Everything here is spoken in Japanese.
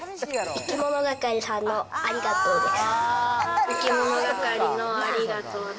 いきものがかりのありがとうです。